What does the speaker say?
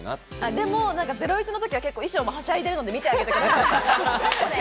でも『ゼロイチ』の時は衣装もはしゃいでいるので見てあげてください。